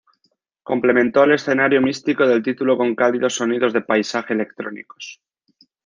Complementó el escenario místico del título con cálidos sonidos de paisaje electrónicos.